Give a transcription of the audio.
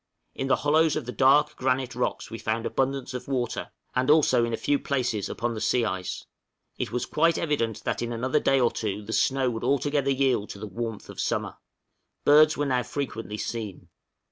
In the hollows of the dark granite rocks we found abundance of water, and also in a few places upon the sea ice; it was quite evident that in another day or two the snow would altogether yield to the warmth of summer; birds were now frequently seen.